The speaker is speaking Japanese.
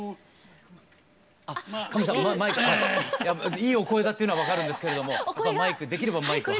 いいお声だっていうのは分かるんですけれどもできればマイクを。